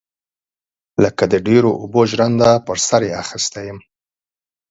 لکه د ډيرو اوبو ژرنده پر سر يې اخيستى يم.